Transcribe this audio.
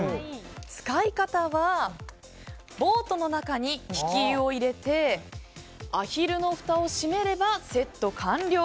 使い方はボートの中にきき湯を入れてアヒルのふたを閉めればセット完了。